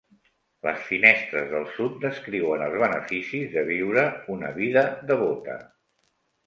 Les finestres del sud descriuen els beneficis de viure una vida devota.